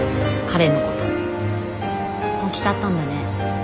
彼のこと本気だったんだね。